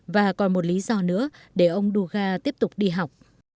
và còn một lý do nữa để ông duga tiếp tục đi học